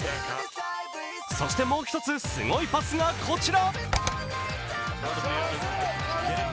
そしてもう一つすごいパスがこちら。